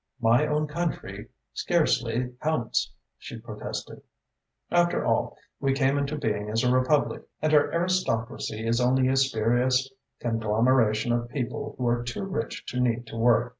"My own country scarcely counts," she protested. "After all, we came into being as a republic, and our aristocracy is only a spurious conglomeration of people who are too rich to need to work.